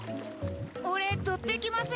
俺取ってきますよ。